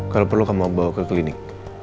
kalau perlu kamu bawa ke klinik